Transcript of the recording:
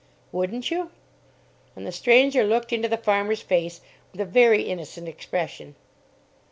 "Wouldn't you?" And the stranger looked into the farmer's face with a very innocent expression.